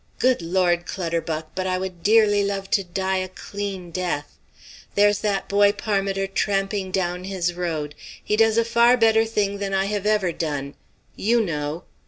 Good Lord, Clutterbuck, but I would dearly love to die a clean death! There's that boy Parmiter tramping down his road. He does a far better thing than I have ever done. You know!